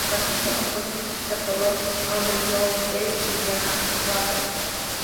La canción fue compuesta y escrita por Lord Andrew Lloyd Webber y Diane Warren.